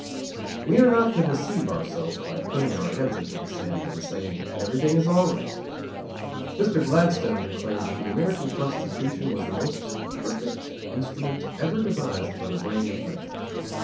We are not to deceive ourselves by putting our heads into the sand and saying, "Everything is all right." Mr. Gladstone declared that the American Constitution was the most perfect instrument ever devised by the brain of man.